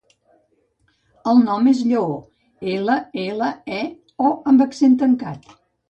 El nom és Lleó: ela, ela, e, o amb accent tancat.